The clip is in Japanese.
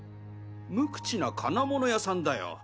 無口な金物屋さんだよ。